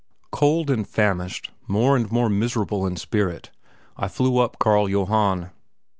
Cold and famished, more and more miserable in spirit, I flew up Carl Johann.